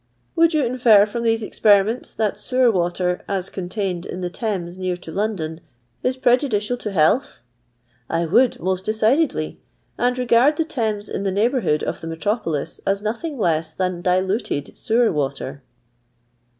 " Would you infer from these experiments that sewer water, as contained in the Thames near to London, is prejudicial to health?" "I would, most decidedly ; and regard the Thames in the neighbourhood of the metropolis as nothing less than diluted sewer watcr."